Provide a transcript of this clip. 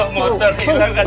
masya allah doi